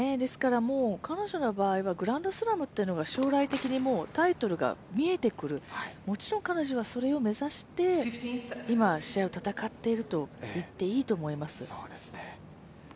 彼女の場合は、グランドスラムというのが将来的にタイトルが見えてくる、もちろん彼女はそれを目指して今、試合を戦っていると言っていいと思います。